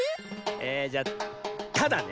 えじゃ「た」だね。